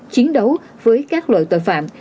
chiến đấu với các loại tội phạm